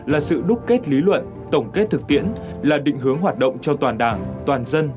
là sự đúc kết lý luận tổng kết thực tiễn là định hướng hoạt động cho toàn đảng toàn dân